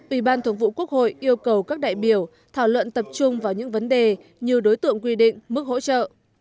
ủy ban thường vụ quốc hội yêu cầu các đại biểu thảo luận tập trung vào những vấn đề như đối tượng quy định mức hỗ trợ